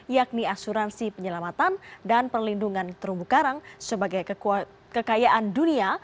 yakni asuransi penyelamatan dan perlindungan terumbu karang sebagai kekayaan dunia